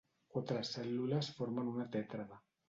Quatre cèl·lules formen una tètrada.